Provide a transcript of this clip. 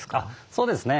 そうですね。